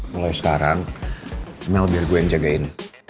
mulai sekarang mel biar gue yang jagain